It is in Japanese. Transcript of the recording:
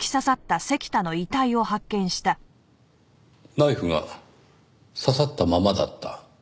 ナイフが刺さったままだった？